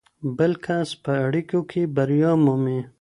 بل کس په اړیکو کې بریا مومي.